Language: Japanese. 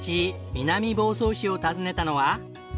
南房総市を訪ねたのは。